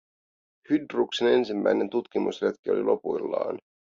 Hydruksen ensimmäinen tutkimusretki oli lopuillaan.